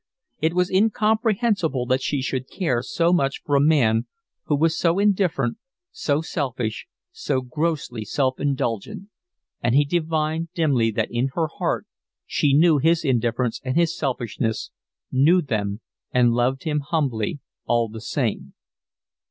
It was incomprehensible that she should care so much for a man who was so indifferent, so selfish, so grossly self indulgent; and he divined dimly that in her heart she knew his indifference and his selfishness, knew them and loved him humbly all the same.